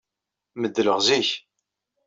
Meddleɣ zik.